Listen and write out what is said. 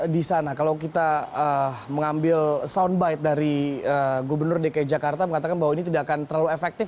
di sana kalau kita mengambil soundbite dari gubernur dki jakarta mengatakan bahwa ini tidak akan terlalu efektif